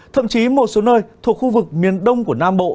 thậm chí một số nơi thuộc khu vực miền đông của nam bộ